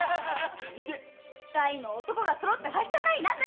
大の男が何だよそろってはしたない！